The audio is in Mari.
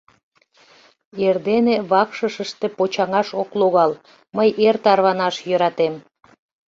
Эрдене вакшышыште почаҥаш ок логал, мый эр тарванаш йӧратем.